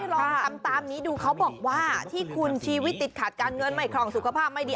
ลองทำตามนี้ดูเขาบอกว่าที่คุณชีวิตติดขัดการเงินไม่ครองสุขภาพไม่ดี